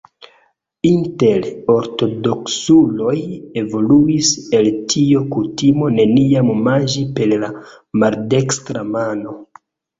Inter ortodoksuloj evoluis el tio kutimo neniam manĝi per la maldekstra mano.